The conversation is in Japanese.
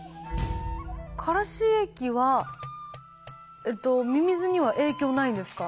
カラシ液はミミズには影響ないんですか？